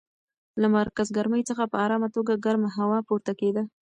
له مرکز ګرمۍ څخه په ارامه توګه ګرمه هوا پورته کېده.